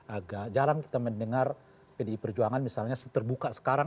agak jarang kita mendengar pdi perjuangan misalnya seterbuka sekarang